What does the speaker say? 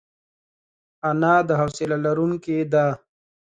انا د حوصله لرونکې ده